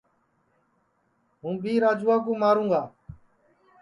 ہوں بھی راجوا کُو ماروں گا